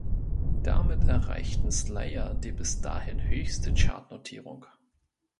Damit erreichten Slayer die bis dahin höchste Chartnotierung.